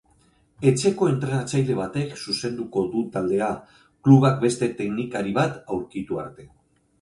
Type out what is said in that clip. Etxeko entrenatzaile batek zuzenduko du taldea, klubak beste teknikari bat aurkitu arte.